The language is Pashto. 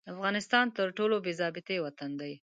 افغانستان تر ټولو بې ضابطې وطن دي.